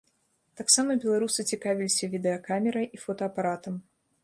Таксама беларусы цікавіліся відэакамерай і фотаапаратам.